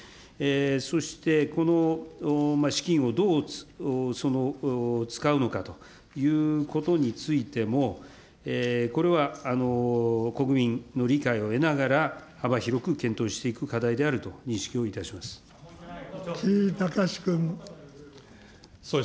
そして、この資金をどう使うのかということについても、これは国民の理解を得ながら、幅広く検討していく課題であると認識をいたします。